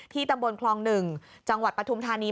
ตำบลคลอง๑จังหวัดปฐุมธานี